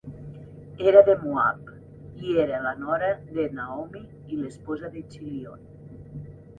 Era de Moab i era la nora de Naomi i esposa de Chilion.